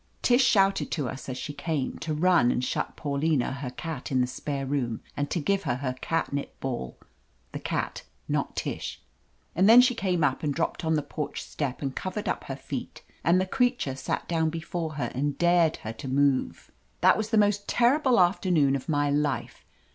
Tish shouted to us, as she came, to run and shut Paulina, her cat, in the spare room, and to give her her catnip ball (the cat, not Tish). And then she came up and dropped on the porch step and covered up her feet, and the creature sat down before her and dared her to move. That was the most terrible afternoon of my life.